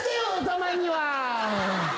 たまには。